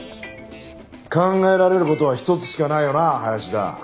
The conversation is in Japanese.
考えられる事は一つしかないよなあ林田。